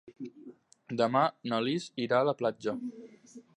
Demà na Lis irà a la platja.